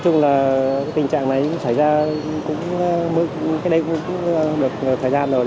nói chung là tình trạng này xảy ra cũng được thời gian rồi